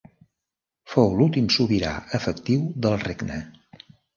Fou l'últim sobirà efectiu del regne.